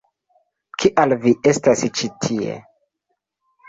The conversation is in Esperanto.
Kial vi estas ĉi tie?